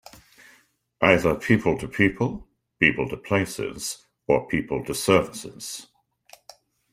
Either people-to-people, people-to-places, or people-to-services.